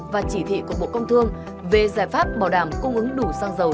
và chỉ thị của bộ công thương về giải pháp bảo đảm cung ứng đủ xăng dầu